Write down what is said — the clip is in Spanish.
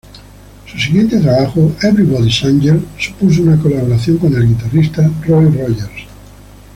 Su siguiente trabajo, "Everybody's Angel", supuso una colaboración con el guitarrista Roy Rogers.